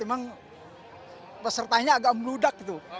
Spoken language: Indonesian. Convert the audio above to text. memang pesertanya agak meludak gitu